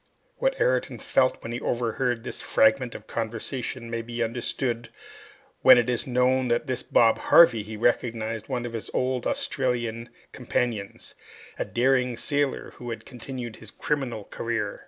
What Ayrton felt when he overheard this fragment of conversation may be understood when it is known that in this Bob Harvey he recognized one of his old Australian companions, a daring sailor, who had continued his criminal career.